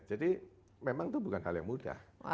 jadi memang itu bukan hal yang mudah